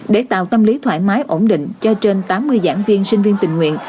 để tạo tâm lý thoải mái ổn định cho trên tám mươi giảng viên sinh viên tình nguyện